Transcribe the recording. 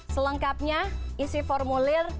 selengkapnya isi formulir